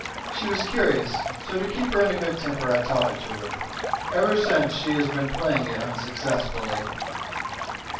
She was curious; so, to keep her in a good temper, I taught it to her. Ever since she has been playing it unsuccessfully."